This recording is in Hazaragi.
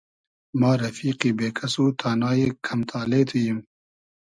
ما رئفیقی بې کئس و تانای کئم تالې تو ییم